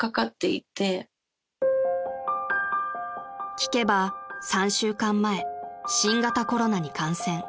［聞けば３週間前新型コロナに感染］